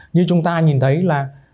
như chúng ta nhìn thấy là